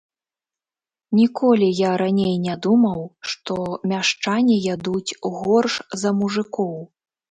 Ніколі я раней не думаў, што мяшчане ядуць горш за мужыкоў.